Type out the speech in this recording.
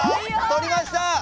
とりました！